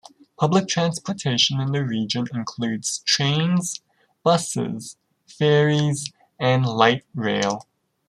Public transport in the region includes trains, buses, ferries and light rail.